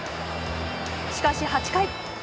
しかし８回。